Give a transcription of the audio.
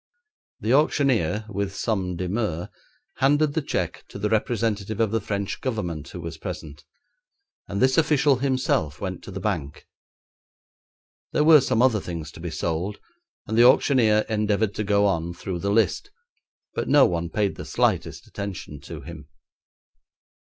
The auctioneer with some demur handed the cheque to the representative of the French Government who was present, and this official himself went to the bank. There were some other things to be sold and the auctioneer endeavoured to go on through the list, but no one paid the slightest attention to him.